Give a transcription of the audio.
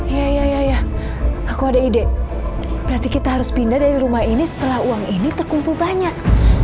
ya ya aku ada ide berarti kita harus pindah dari rumah ini setelah uang ini terkumpul banyak